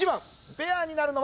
ペアになるのは？